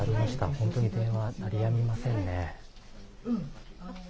本当に電話、鳴りやみませんね。